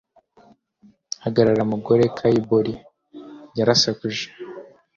hagarara, mugore! kai borie yarasakuje